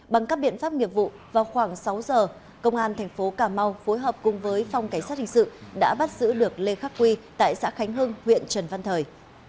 bằng các biện pháp nghiệp vụ vào khoảng sáu giờ công an thành phố cà mau phối hợp cùng với phòng cảnh sát hình sự đã bắt giữ được lê khắc quy tại xã khánh hưng huyện trần văn thời